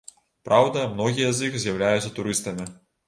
Праўда, многія з іх з'яўляюцца турыстамі.